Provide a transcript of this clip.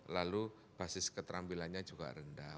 lalu basis keterampilannya juga rendah